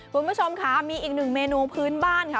คุณผู้ชมค่ะมีอีกหนึ่งเมนูพื้นบ้านค่ะ